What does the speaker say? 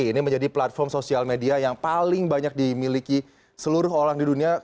ini menjadi platform sosial media yang paling banyak dimiliki seluruh orang di dunia